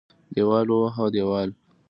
دېوال ووهه دېوال.